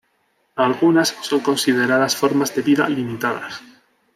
Algunas son consideradas formas de vida limitadas.